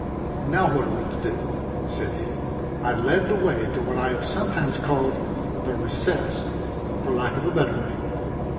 "Now what are we to do?" said he. I led the way to what I have sometimes called "the recess" for lack of a better name.